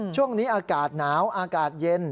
ช่วงนี้อากาศหนาวอากาศเย็น